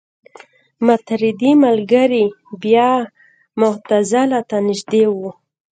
ماتریدي ملګري بیا معتزله ته نژدې وو.